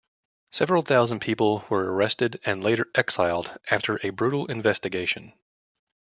Several thousand people were arrested and later exiled after a brutal investigation.